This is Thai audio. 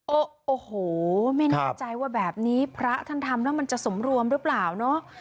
โอ้โหไม่แน่ใจว่าแบบนี้พระท่านทำแล้วมันจะสมรวมหรือเปล่าเนอะ